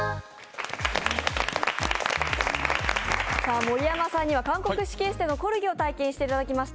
盛山さんには韓国式エステのコルギを体験していただきました。